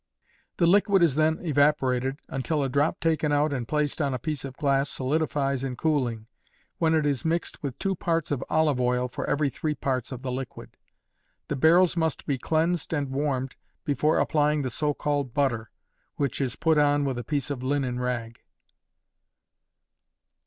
The liquid is then evaporated until a drop taken out and placed on a piece of glass solidifies in cooling, when it is mixed with 2 parts of olive oil for every three parts of the liquid. The barrels must be cleansed and warmed before applying the so called butter, which put on with a piece of linen rag.